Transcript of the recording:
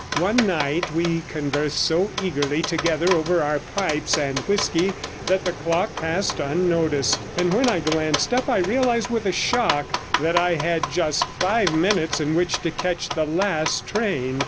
One night we conversed so eagerly together over our pipes and whisky that the clock passed unnoticed; and when I glanced up, I realised with a shock that I had just five minutes in which to catch the last train.